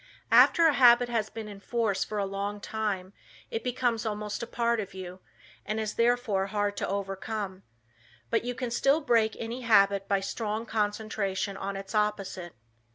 After a habit has been in force for a long time, it becomes almost a part of you, and is therefore hard to overcome. But you can still break any habit by strong concentration on its opposite.